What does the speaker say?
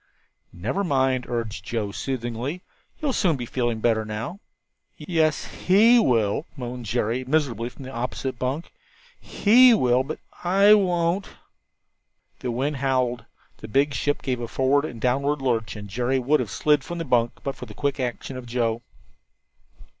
"Never mind," urged Joe, soothingly, "you'll soon be feeling better now." "Yes, he will," moaned Jerry, miserably, from the opposite bunk; "he will, but I won't." The wind howled, the big ship gave a forward and downward lurch, and Jerry would have slid from his bunk but for the quick action of Joe.